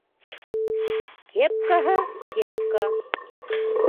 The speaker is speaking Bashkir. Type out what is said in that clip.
Кепкаһы - кепка.